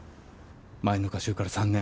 前の歌集から３年。